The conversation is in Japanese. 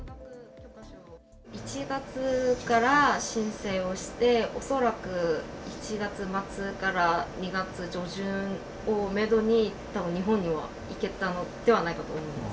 １月から申請をして、恐らく１月末から２月上旬をメドにたぶん日本には行けたのではないかと思います。